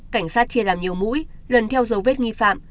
cảnh sát chia làm nhiều mũi lần theo dấu vết nghi phạm